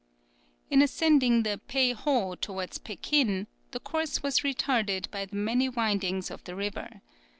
In ascending the Pei Ho towards Pekin, the course was retarded by the many windings of the river.